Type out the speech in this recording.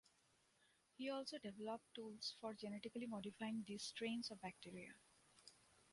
He also developed tools for genetically modifying these strains of bacteria.